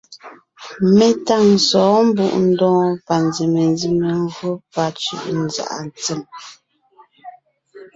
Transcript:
Mé táŋ sɔ̌ɔn Mbùʼndɔɔn panzèmenzème gÿó pacʉ̀ʼʉnzàʼa tsem.